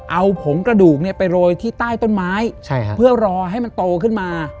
เอาผงกระดูกไปโรยที่ใต้ต้นไม้เพื่อรอให้มันโตขึ้นมา